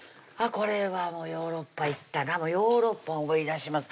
これはヨーロッパ行ったなヨーロッパ思い出します